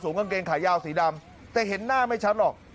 กางเกงขายาวสีดำแต่เห็นหน้าไม่ชัดหรอก